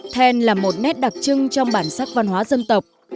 then là một nét đặc trưng trong bản sắc văn hóa dân tộc